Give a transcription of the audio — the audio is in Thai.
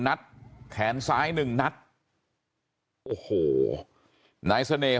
บอกแล้วบอกแล้วบอกแล้ว